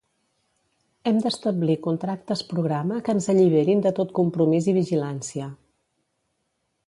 Hem d'establir contractes programa que ens alliberin de tot compromís i vigilància.